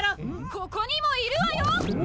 ・ここにもいるわよ！